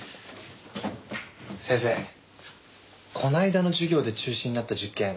この間の授業で中止になった実験